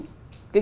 cái kiến trúc đó